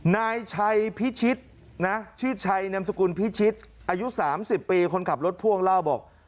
นายชัยพิชิตนะชื่อชัยนามสกุลพิชิตอายุ๓๐ปีคนขับรถพ่วงเล่าบอก